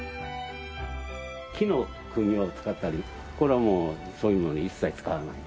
木の釘を使ったりこれはそういうのは一切使わない。